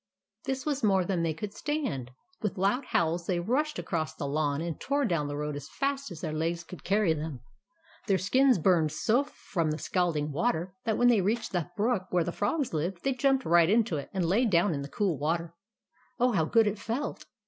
This was more than they could stand. With loud howls, they rushed across the lawn, and tore down the road as fast as their legs could carry them. Their skins burned so from the scalding water that, when they reached the brook where the Frogs lived, they jumped right into it, and lay down in the cool water. Oh, how good it felt